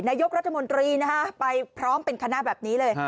นายกรัฐมนตรีนะฮะไปพร้อมเป็นคณะแบบนี้เลย